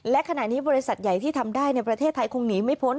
และขณะนี้บริษัทใหญ่ที่ทำได้ในประเทศไทยคงหนีไม่พ้น